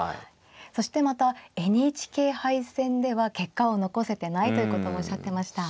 そしてまたＮＨＫ杯戦では結果を残せてないということもおっしゃってました。